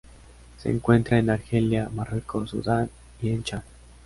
Se encuentra en Argelia, Marruecos, Sudán y en Chad.